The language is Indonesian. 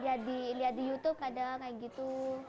ya dia di youtube kadang kaya gitu